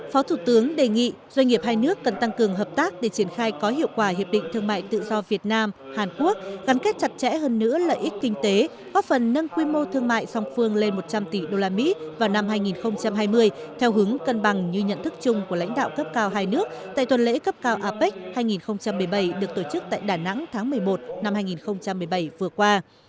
phó thủ tướng đề nghị doanh nghiệp hai nước cần tăng cường hợp tác để triển khai có hiệu quả hiệp định thương mại tự do việt nam hàn quốc gắn kết chặt chẽ hơn nữa lợi ích kinh tế góp phần nâng quy mô thương mại song phương lên một trăm linh tỷ usd vào năm hai nghìn hai mươi theo hướng cân bằng như nhận thức chung của lãnh đạo cấp cao hai nước tại tuần lễ cấp cao apec hai nghìn một mươi bảy được tổ chức tại đà nẵng tháng một mươi một năm hai nghìn một mươi bảy vừa qua